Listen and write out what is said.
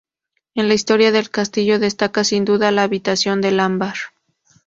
En la historia del castillo destaca sin duda la habitación de ámbar.